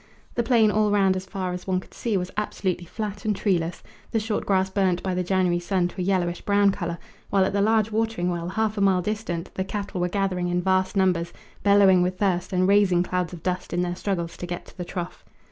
The plain all round as far as one could see was absolutely flat and treeless, the short grass burnt by the January sun to a yellowish brown colour; while at the large watering well, half a mile distant, the cattle were gathering in vast numbers, bellowing with thirst and raising clouds of dust in their struggles to get to the trough.